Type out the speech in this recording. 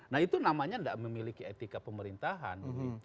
nah itu namanya tidak memiliki etika pemerintahan